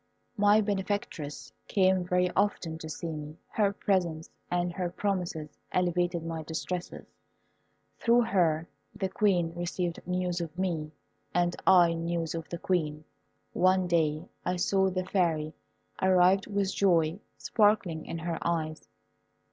My benefactress came very often to see me. Her presence and her promises alleviated my distresses. Through her, the Queen received news of me, and I news of the Queen. One day I saw the Fairy arrive with joy sparkling in her eyes.